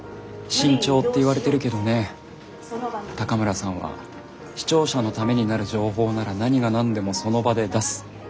慎重って言われてるけどね高村さんは視聴者のためになる情報なら何が何でもその場で出す。